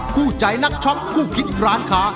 คู่ใจนักช็อคคู่คิดร้านค้า